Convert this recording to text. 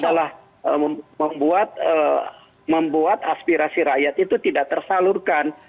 ini adalah membuat aspirasi rakyat itu tidak tersalurkan